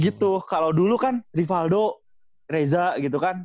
gitu kalau dulu kan rivaldo reza gitu kan